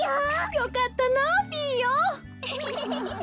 よかったなピーヨン。